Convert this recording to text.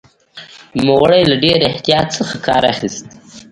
نوموړي له ډېر احتیاط څخه کار اخیست.